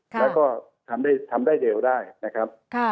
แล้วก็ทำได้เร็วได้นะครับ